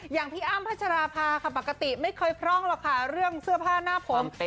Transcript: อย่างพี่อ้ำพัชราภาค่ะปกติไม่เคยพร่องหรอกค่ะเรื่องเสื้อผ้าหน้าผม